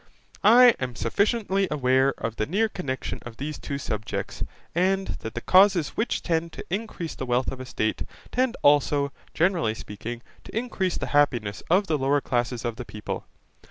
I am sufficiency aware of the near connection of these two subjects, and that the causes which tend to increase the wealth of a state tend also, generally speaking, to increase the happiness of the lower classes of the people.